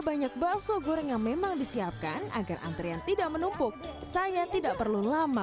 banyak bakso goreng yang memang disiapkan agar antrean tidak menumpuk saya tidak perlu lama